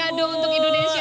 kado untuk indonesia